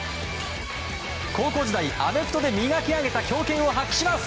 高校時代、アメフトで磨き上げた強肩を発揮します。